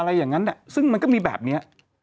อะไรอย่างนั้นซึ่งมันก็มีแบบนี้